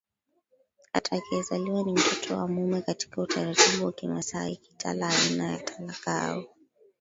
atakayezaliwa ni mtoto wa mume katika utaratibu wa KimasaiKitala aina ya talaka au